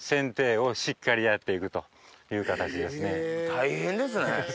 大変ですね